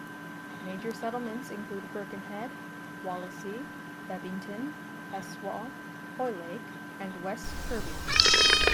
Major settlements include Birkenhead, Wallasey, Bebington, Heswall, Hoylake and West Kirby.